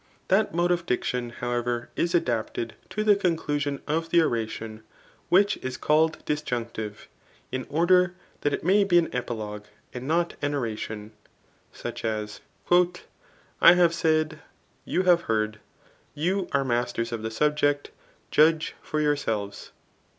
That mode of diction, however, is adapted to the conclusion of the oration, which is called disjunctive, in order that it may be an epilogue, and not an oration ; such as, I have said, you have heard, you are masters of the subject, judge for yourselves."